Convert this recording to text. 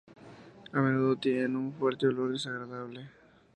A menudo tienen un fuerte olor desagradable.